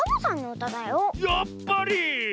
やっぱり！